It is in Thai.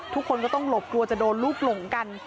ทุกคนก็ต้องหลบกลัวจะโดนลูกหลงกัน